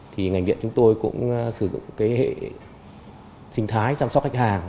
thì ngành điện chúng tôi cũng sử dụng cái hệ sinh thái chăm sóc khách hàng